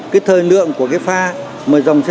cái thời lượng của cái pha mà dòng xe